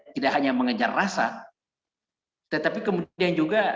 ada juga tidak hanya mengejar rasa tetapi kemudian juga tidak hanya mengejar rasa tetapi kemudian juga